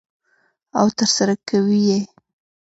او ترسره کوي یې.